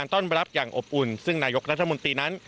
ต้อนรับอย่างอบอุ่นซึ่งนายกรัฐมนตรีนั้น